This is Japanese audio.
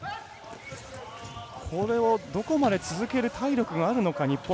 これをどこまで続ける体力があるのか日本。